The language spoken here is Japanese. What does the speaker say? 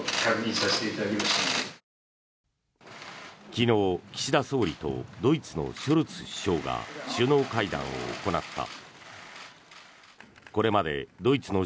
昨日、岸田総理とドイツのショルツ首相が首脳会談を行った。